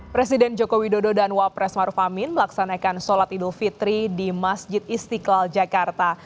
presiden joko widodo dan wapres maruf amin melaksanakan sholat idul fitri di masjid istiqlal jakarta